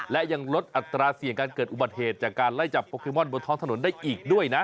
และยังลดอัตราเสี่ยงการเกิดอุบัติเหตุจากการไล่จับโปเกมอนบนท้องถนนได้อีกด้วยนะ